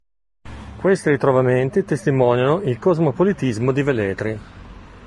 Questi ritrovamenti testimoniano il cosmopolitismo di Velletri.